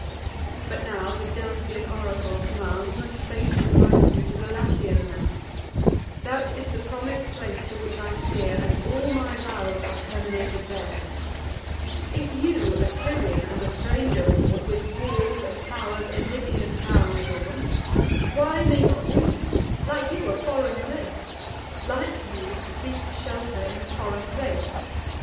But now the Delphian oracle commands, And fate invites me to the Latian lands. That is the promis'd place to which I steer, And all my vows are terminated there. If you, a Tyrian, and a stranger born, With walls and tow'rs a Libyan town adorn, Why may not we, like you, a foreign race, Like you, seek shelter in a foreign place?